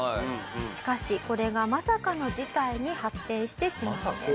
しかしこれがまさかの事態に発展してしまうんです。